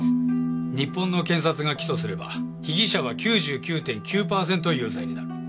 日本の検察が起訴すれば被疑者は９９．９パーセント有罪になる。